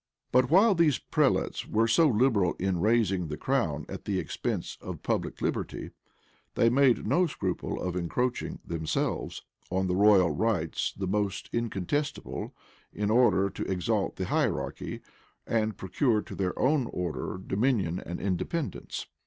But while these prelates were so liberal in raising the crown at the expense of public liberty, they made no scruple of encroaching, themselves, on the royal rights the most incontestable, in order to exalt the hierarchy, and procure to their own order dominion and independence.